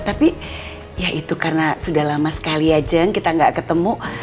tapi ya itu karena sudah lama sekali aja kita gak ketemu